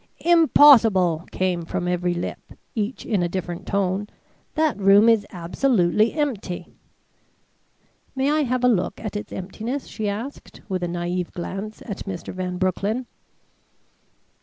"Impossible!" came from every lip, each in a different tone. "That room is absolutely empty." "May I have a look at its emptiness?" she asked, with a naïve glance at Mr. Van Broecklyn.